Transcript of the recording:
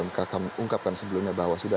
mengungkapkan sebelumnya bahwa sudah